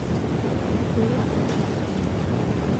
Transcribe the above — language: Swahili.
Fikiria upya umekosea